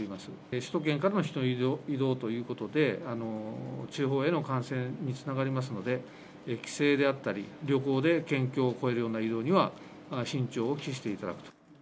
首都圏からの人の移動ということで、地方への感染につながりますので、帰省であったり、旅行で県境を越えるような移動には、慎重を期していただくと。